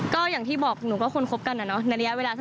ก็อย่างที่บอกู้ก็คนคบกันนึงเนี่ยเนาะ